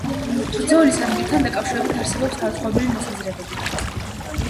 ბრძოლის ადგილთან დაკავშირებით არსებობს განსხვავებული მოსაზრებები.